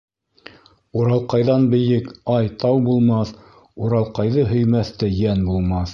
Уралҡайҙан бейек, ай, тау булмаҫ, Уралҡайҙы һөймәҫ тә йән булмаҫ.